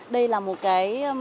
đây là một cái đêm hội ngộ